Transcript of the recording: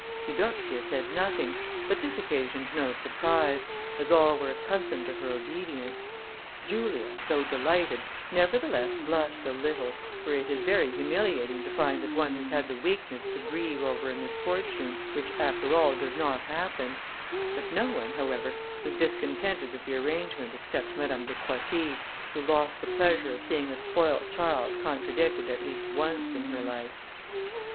Eudoxia said nothing, but this occasioned no surprise, as all were accustomed to her obedience. Julia, though delighted, nevertheless blushed a little, for it is very humiliating to find that one has had the weakness to grieve over a misfortune, which after all does not happen; but no one, however, was discontented with the arrangement except Madame de Croissy, who lost the pleasure of seeing a spoiled child contradicted at least once in her life.